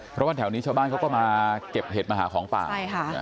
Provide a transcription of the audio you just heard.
เพราะว่าแถวนี้ชาวบ้านเขาก็มาเก็บเห็ดมาหาของป่าใช่ค่ะ